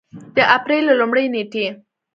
د اپرېل له لومړۍ نېټې